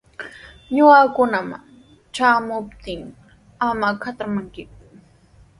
Ñakaykuna shamuptin ama katramankiku.